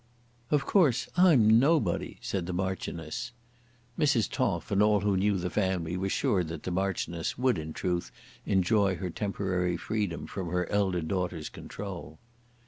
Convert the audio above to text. "Of course I'm nobody," said the Marchioness. Mrs. Toff and all who knew the family were sure that the Marchioness would, in truth, enjoy her temporary freedom from her elder daughter's control.